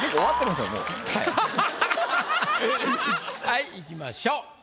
はいいきましょう。